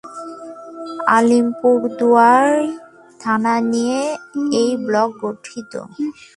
আলিপুরদুয়ার থানা নিয়ে এই ব্লক গঠিত।